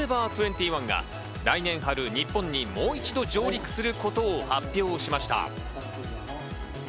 ２１が来年春、日本にもう一度、上陸することを発表しました。